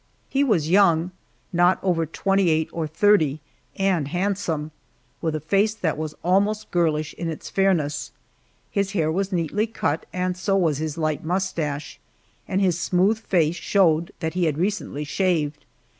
He was young not over twenty eight or thirty and handsome, with a face that was almost girlish in its fairness. His hair was neatly cut, and so was his light mustache, and his smooth face showed that he had recently shaved.